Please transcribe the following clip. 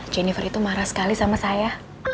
jennifer itu marah sekali sama saya